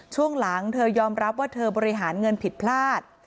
ช่วงหลังเธอยอมรับว่าเธอบริหารเงินผิดพลาด